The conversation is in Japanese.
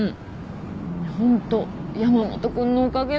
ホント山本君のおかげだよ。